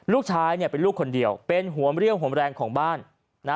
ลูกชายเป็นลูกคนเดียวเป็นหวมเรี่ยวหวมแรงของบ้าน